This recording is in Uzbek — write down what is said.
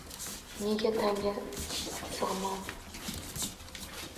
Netay, tanga sig’mam